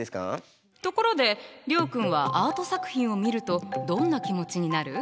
ところで諒君はアート作品を見るとどんな気持ちになる？